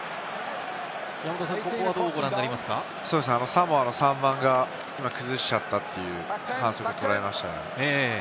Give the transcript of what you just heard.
サモアの３番が崩しちゃったという反則を取られましたね。